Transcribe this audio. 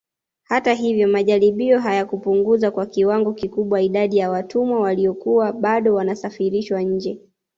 Hata hivyo majaribio hayakupunguza kwa kiwango kikubwa idadi ya watumwa waliokuwa bado wanasafirishwa nje